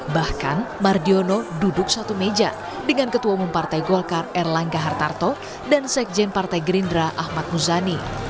bahkan mardiono duduk satu meja dengan ketua umum partai golkar erlangga hartarto dan sekjen partai gerindra ahmad muzani